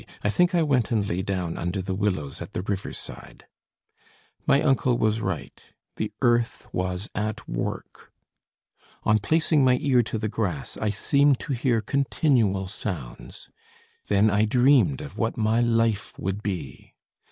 I think I went and lay down under the willows at the riverside. My uncle was right, the earth was at work. On placing my ear to the grass I seemed to hear continual sounds. Then I dreamed of what my life would be.